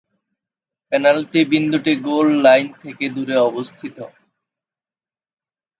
Penalty বিন্দুটি goal line থেকে দূরে অবস্থিত।